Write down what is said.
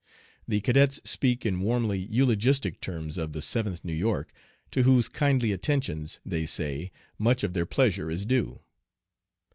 "The cadets speak in warmly eulogistic terms of the Seventh New York, to whose kindly attentions, they say, much of their pleasure is due."